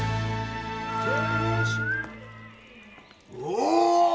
お！